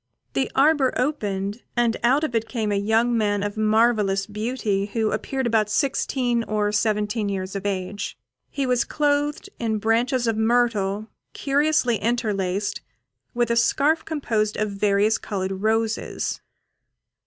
The arbour opened, and out of it came a young man of marvellous beauty, who appeared about sixteen or seventeen years of age. He was clothed in branches of myrtle, curiously interlaced, with a scarf composed of various coloured roses.